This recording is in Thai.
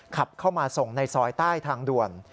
ขับเข้ามาส่งในซอยใต้ทางด่วน